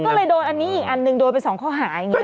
ก็เลยโดนอันนี้อีกอันหนึ่งโดนไป๒ข้อหาอย่างนี้